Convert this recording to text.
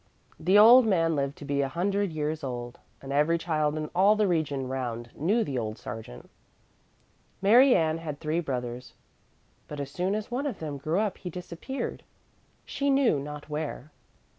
The old man lived to be a hundred years old, and every child in all the region round knew the old sergeant. Mary Ann had three brothers, but as soon as one of them grew up he disappeared, she knew not where.